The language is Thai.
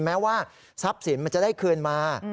แม้ว่าทรัพย์สินมันจะได้คืนมา